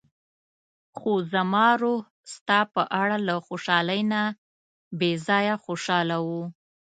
خو زما روح ستا په اړه له خوشحالۍ نه بې ځايه خوشاله و.